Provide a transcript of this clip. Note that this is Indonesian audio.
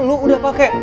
lu udah pake